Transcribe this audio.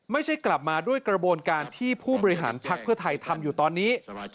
ไม่ใช่กลับมาด้วยกระบวนการที่ผู้บริหารภักดิ์เพื่อไทยทำอยู่ตอนนี้